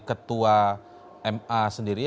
ketua ma sendiri